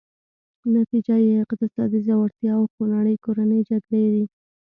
نتیجه یې اقتصادي ځوړتیا او خونړۍ کورنۍ جګړې دي.